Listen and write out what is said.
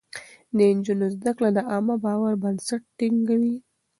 د نجونو زده کړه د عامه باور بنسټ ټينګوي.